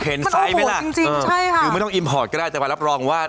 เส้นไซส์ไหมล่ะคือไม่ต้องอิมปอร์ตก็ได้แต่มารับรองว่ามันโหโหจริงใช่ค่ะ